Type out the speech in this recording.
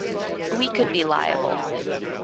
We could be liable.